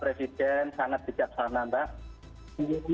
masih ada yang tidak melanggar hukum